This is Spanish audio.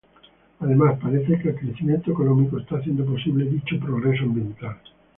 Además, parece que el crecimiento económico está haciendo posible dicho progreso ambiental.